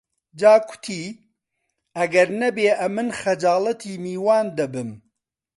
جا کوتی: ئەگەر نەبێ ئەمن خەجاڵەتی میوان دەبم